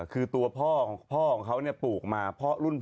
คือตัวพ่อของพ่อของเขาเนี่ยปลูกมารุ่นพ่อ